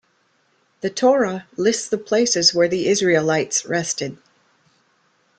The Torah lists the places where the Israelites rested.